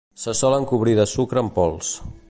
Se solen cobrir de sucre en pols.